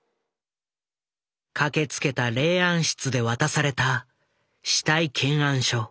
駆けつけた霊安室で渡された死体検案書。